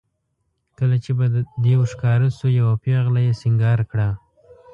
کله چې به دېو ښکاره شو یوه پېغله یې سینګار کړه.